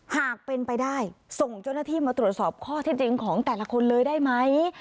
หากเป็นไปได้ส่งเจ้าหน้าที่มาตรวจสอบข้อที่จริงของแต่ละคนเลยได้ไหม